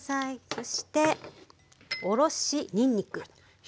そしておろしにんにく。